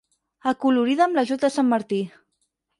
Acolorida amb l'ajut de sant Martí.